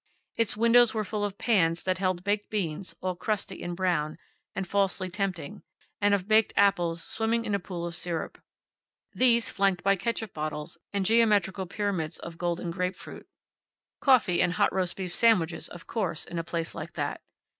Its windows were full of pans that held baked beans, all crusty and brown, and falsely tempting, and of baked apples swimming in a pool of syrup. These flanked by ketchup bottles and geometrical pyramids of golden grape fruit. Coffee and hot roast beef sandwiches, of course, in a place like that.